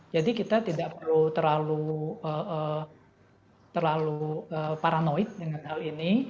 jadi kita tidak perlu terlalu paranoid dengan hal ini